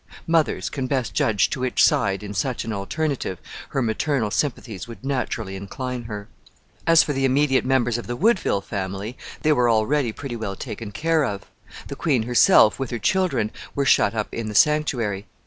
Mothers can best judge to which side, in such an alternative, her maternal sympathies would naturally incline her. [Footnote L: For a view of this castle, see engraving on page 273.] As for the immediate members of the Woodville family, they were already pretty well taken care of. The queen herself, with her children, were shut up in the sanctuary.